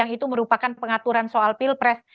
itu merupakan pengaturan soal pilpres